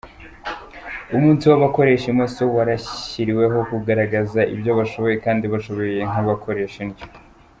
Umunsi w’abakoresha imoso warashyiriweho kugaragaza ibyo bashoboye kandi ko bashoboye nk’abakoresha indyo.